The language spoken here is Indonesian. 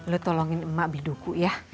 lo tolongin emak biduku ya